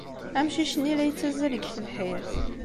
Amcic-nni la yettazzal deg tebḥirt.